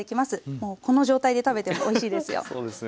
もうこの状態で食べてもおいしいですよ。